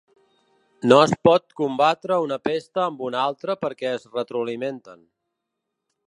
No es pot combatre una pesta amb una altra perquè es retroalimenten.